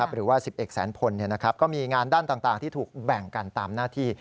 หรือว่า๑๑แสนพลก็มีงานด้านต่างที่ถูกแบ่งกันตามหน้าที่